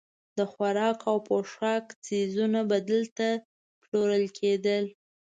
د خوراک او پوښاک څیزونه به دلته پلورل کېدل.